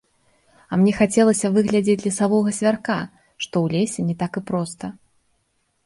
А мне хацелася выглядзець лесавога звярка, што ў лесе не так і проста.